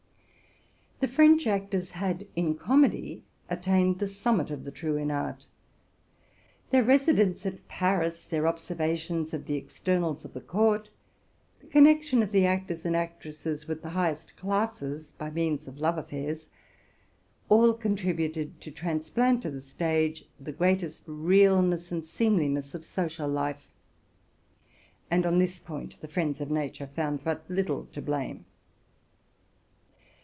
The French actors had, in comedy, attained the summit of the true in art. Their residence at Paris; their observations of the externals of the court; the connection of the actors and actresses with the highest classes, by means of love affairs, —all contributed to transplant to the stage the great est realness and seemliness of social life; and on this point the friends of nature found but little to blame.